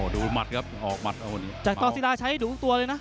ดูมัดครับออกมัดจากตอนศิลาใช้ให้ดูทุกตัวเลยนะ